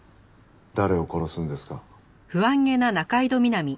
「誰を殺すんですか？」。